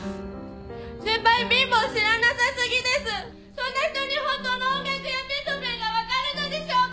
そんな人に本当の音楽やベートーヴェンが分かるのでしょうか！？